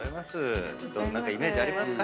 何かイメージありますか？